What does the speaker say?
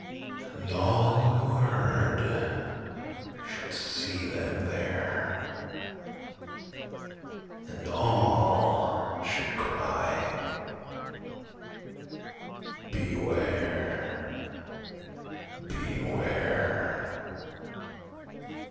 And all who heard should see them there, And all should cry, Beware! Beware!